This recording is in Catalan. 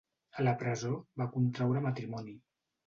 A la presó, va contraure matrimoni.